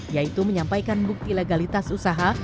yaitu menyampaikan bukti legalitas usaha